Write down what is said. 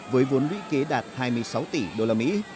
với vốn lũy kế đạt hai mươi sáu tỷ usd